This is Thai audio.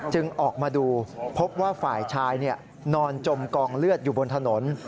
ออกมาดูพบว่าฝ่ายชายนอนจมกองเลือดอยู่บนถนน